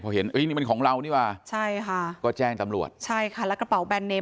เพราะเห็นอุ๊ยนี่มันของเรานี่ว่ะก็แจ้งตำรวจใช่ค่ะแล้วกระเป๋าแบรนด์เนม